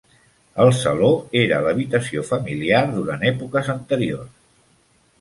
El saló era l'habitació familiar durant èpoques anteriors.